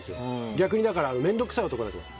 逆に面倒くさい男です。